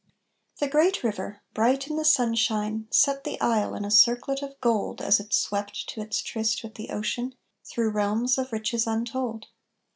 The great river, bright in the sunshine, set the isle in a circlet of gold As it swept to its tryst with the ocean, through realms of riches untold.